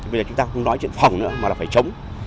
bây giờ chúng ta không nói chuyện phòng nữa mà là phải chống